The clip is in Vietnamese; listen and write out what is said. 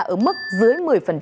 ở mức dưới một mươi